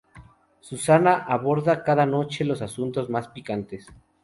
Susanna aborda cada noche los asuntos más picantes.